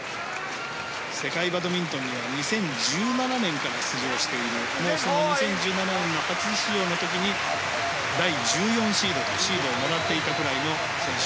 世界バドミントンは２０１７年から出場しているもう、その２０１７年の初出場の時に第１４シードと、シードをもらっていたくらいの選手。